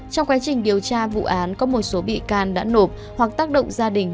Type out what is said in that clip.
trong quá trình điều tra vụ án có một số bị can đã nộp hoặc tác động gia đình